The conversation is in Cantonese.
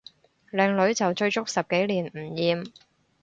靚女就追足十幾年唔厭